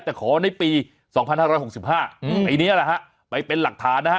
แต่ขอในปี๒๕๖๕ไอ้นี้แหละฮะไปเป็นหลักฐานนะฮะ